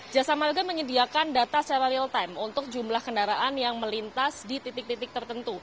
jasa marga menyediakan data secara real time untuk jumlah kendaraan yang melintas di titik titik tertentu